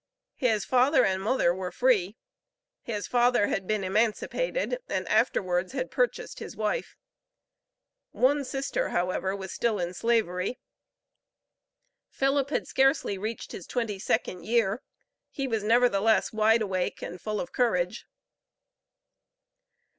His father and mother were free. His father had been emancipated, and afterwards had purchased his wife. One sister, however, was still in Slavery. Philip had scarcely reached his twenty second year; he was nevertheless wide awake and full of courage.